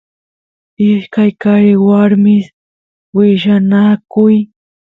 ishkay qaris warmis willanakuy